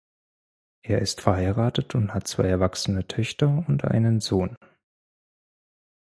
Er ist verheiratet und hat zwei erwachsene Töchter und einen Sohn.